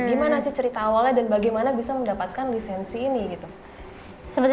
gimana sih cerita awalnya dan bagaimana bisa mendapatkan lip code yang lebih baik